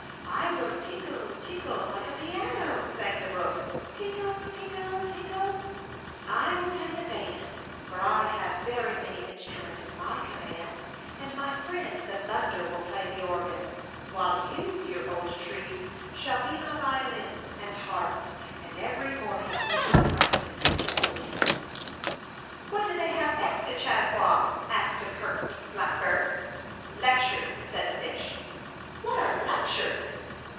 "I will tinkle, tinkle, like a piano," sang the brook, " tinkle, tinkle, tin kle, —"" I will play the band, for I have very many instruments at my com mand, and my friend the thunder will play the organ, while you, dear old trees, shall be my violins and harps, and every morning we will practise," said the wind. "What do they have next at Chau tauqua ?" asked a pert blackbird. " Lectures," said the fish. "What are lectures?"